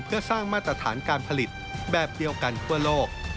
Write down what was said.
เพื่อสร้างมาตรฐานการผลิตแบบเดียวกันทั่วโลก